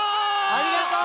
ありがとう！